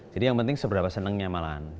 jadi yang penting seberapa senengnya malahan